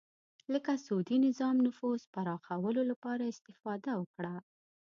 لکه سعودي نظام نفوذ پراخولو لپاره استفاده وکړه